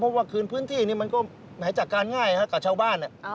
เพราะว่าคืนพื้นที่นี้มันก็แหมจัดการง่ายกับชาวบ้าน